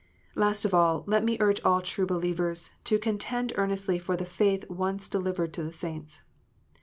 (6) Last of all, let me urge all true believers to contend earnestly for the faith once delivered to the saints.